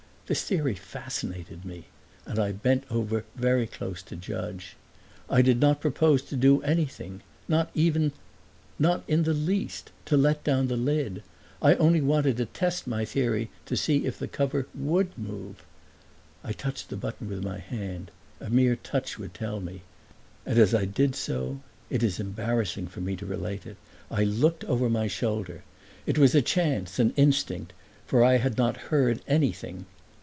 This theory fascinated me, and I bent over very close to judge. I did not propose to do anything, not even not in the least to let down the lid; I only wanted to test my theory, to see if the cover WOULD move. I touched the button with my hand a mere touch would tell me; and as I did so (it is embarrassing for me to relate it), I looked over my shoulder. It was a chance, an instinct, for I had not heard anything.